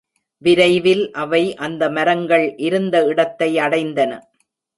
விரைவில் அவை அந்த மரங்கள் இருந்த இடத்தை அடைந்தன.